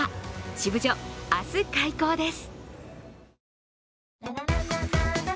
シブジョ、明日開校です。